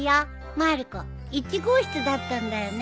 まる子１号室だったんだよね。